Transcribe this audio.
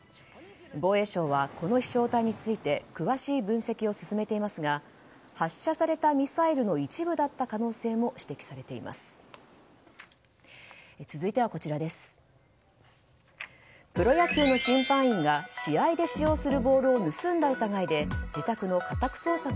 防衛省は、この飛翔体について詳しい分析を進めていますが発射されたミサイルの一部だった可能性も指摘されています。